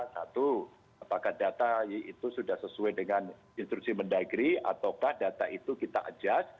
satu apakah data itu sudah sesuai dengan instruksi mendagri ataukah data itu kita adjust